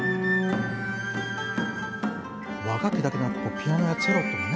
和楽器だけでなくピアノやチェロともね